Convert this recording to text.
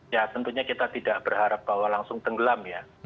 ya tentunya kita tidak berharap bahwa langsung tenggelam ya